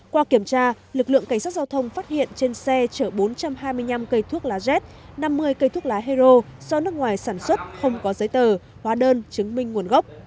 qua kiểm tra lực lượng cảnh sát giao thông phát hiện trên xe chở bốn trăm hai mươi năm cây thuốc lá z năm mươi cây thuốc lá hero do nước ngoài sản xuất không có giấy tờ hóa đơn chứng minh nguồn gốc